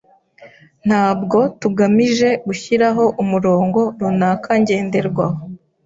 Ntabwo tugamije gushyiraho umurongo runaka ngenderwaho